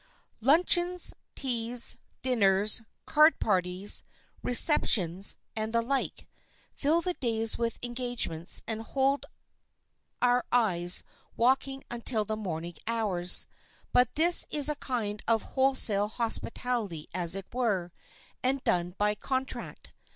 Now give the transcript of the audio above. Luncheons, teas, dinners, card parties, receptions and the like, fill the days with engagements and hold our eyes waking until the morning hours, but this is a kind of wholesale hospitality as it were, and done by contract.